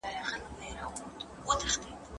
خلګو وويل چي پرمختګ روان دی.